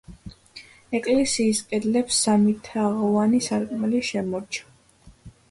ეკლესიის კედლებს სამი თაღოვანი სარკმელი შემორჩა.